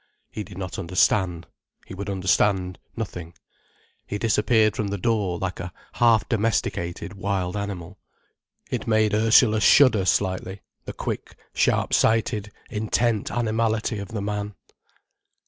He did not understand: he would understand nothing: he disappeared from the door like a half domesticated wild animal. It made Ursula shudder slightly, the quick, sharp sighted, intent animality of the man.